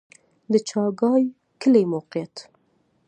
د چاګای کلی موقعیت